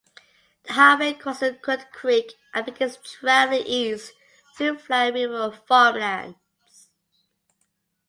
The highway crosses Crooked Creek and begins traveling east through flat rural farmlands.